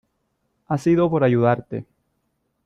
ha sido por ayudarte.